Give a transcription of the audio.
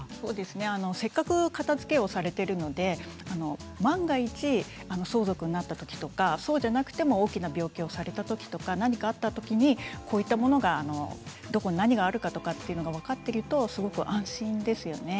せっかく片づけをされているので万が一、相続になった時とかそうじゃなくても大きな病気をされた時何かあった時にこういうものがどこに何があるかというのが分かっているとすごく安心ですよね。